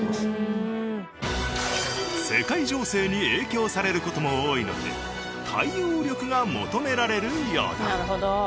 世界情勢に影響される事も多いので対応力が求められるようだ。